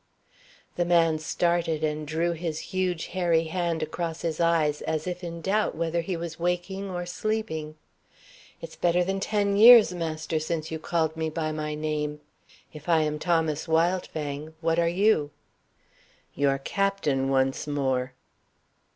The man started, and drew his huge hairy hand across his eyes, as if in doubt whether he was waking or sleeping. "It's better than ten years, master, since you called me by my name. If I am Thomas Wildfang, what are you?" "Your captain, once more."